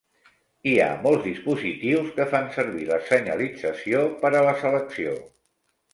Hi ha molts dispositius que fan servir la senyalització per a la selecció.